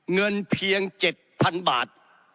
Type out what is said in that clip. เงินเพียง๗๐๐๐บาท